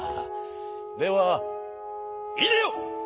ではいでよ！